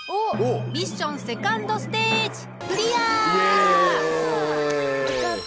ミッションセカンドステージやった。